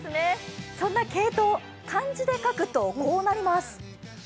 そんなケイトウ、漢字で書くとこうなります。